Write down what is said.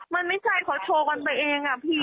มันไม่ใช่เขาโชว์กันไปเองอะพี่